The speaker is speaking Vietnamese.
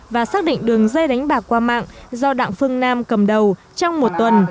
và xác định đường dây đánh bạc qua mạng do đặng phương nam cầm đầu trong một tuần